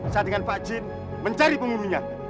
saya dengan pak jin mencari penghulunya